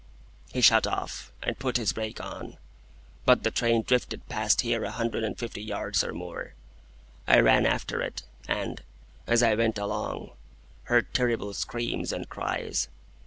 He shut off, and put his brake on, but the train drifted past here a hundred and fifty yards or more. I ran after it, and, as I went along, heard terrible screams and cries.